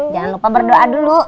jangan lupa berdoa dulu